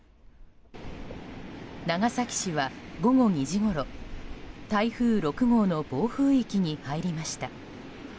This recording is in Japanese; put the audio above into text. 長崎市は午後２時ごろ台風６号の暴風域に入りました。